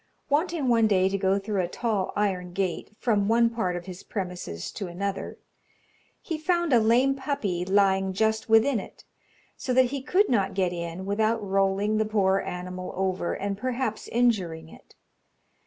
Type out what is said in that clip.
Wanting one day to go through a tall iron gate, from one part of his premises to another, he found a lame puppy lying just within it, so that he could not get in without rolling the poor animal over, and perhaps injuring it.